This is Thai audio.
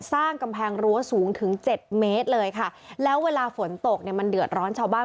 สร้างกำแพงรั้วสูงถึงเจ็ดเมตรเลยค่ะแล้วเวลาฝนตกเนี่ยมันเดือดร้อนชาวบ้าน